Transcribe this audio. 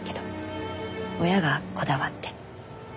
親がこだわって。